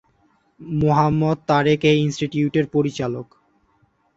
মোহাম্মদ তারেক এই ইনস্টিটিউটের পরিচালক।